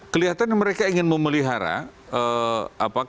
kelihatan yang mereka ingin memelihara